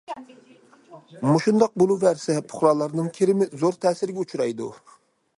مۇشۇنداق بولۇۋەرسە پۇقرالارنىڭ كىرىمى زور تەسىرگە ئۇچرايدۇ.